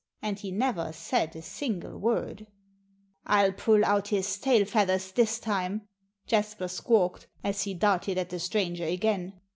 And he never said a single word. "I'll pull out his tail feathers this time!" Jasper squawked, as he darted at the stranger again.